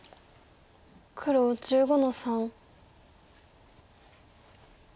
黒１５の三。